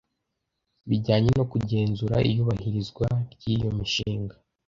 bijyanye no kugenzura iyubahirizwa ryiyo mishinga